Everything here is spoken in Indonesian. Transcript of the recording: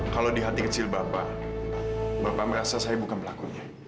kalau di hati kecil bapak bapak merasa saya bukan pelakunya